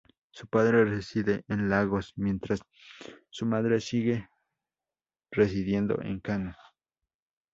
Su padre reside en Lagos, mientras su madre sigue residiendo en Kano.